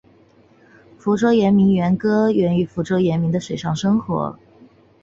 福州疍民渔歌来源于福州疍民的水上生活。